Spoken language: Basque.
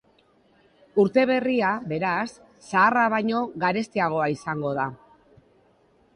Urte berria, beraz, zaharra baino garestiagoa izango da.